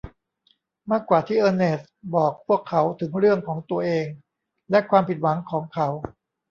มากกว่าที่เออร์เนสต์บอกพวกเขาถึงเรื่องของตัวเองและความผิดหวังของเขา